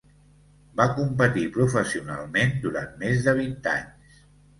Va competir professionalment durant més de vint anys.